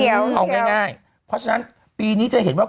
เอาง่ายเพราะฉะนั้นปีนี้จะเห็นว่า